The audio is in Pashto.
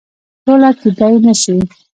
سوله کېدلای نه سي.